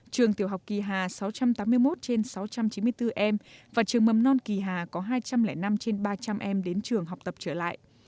trường tiểu học kỳ hà sáu trăm tám mươi một trên sáu trăm chín mươi bốn em và trường mầm non kỳ hà có hai trăm linh năm trên ba trăm linh em đến trường học tập trở lại